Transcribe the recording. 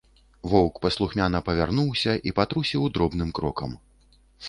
Воўк паслухмяна павярнуўся і патрусіў дробным крокам.